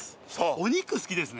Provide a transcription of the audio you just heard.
お肉好きですね。